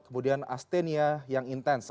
kemudian astenia yang intens